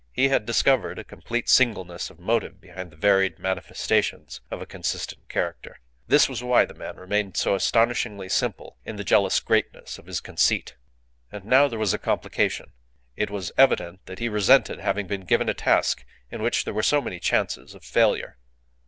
He had discovered a complete singleness of motive behind the varied manifestations of a consistent character. This was why the man remained so astonishingly simple in the jealous greatness of his conceit. And now there was a complication. It was evident that he resented having been given a task in which there were so many chances of failure.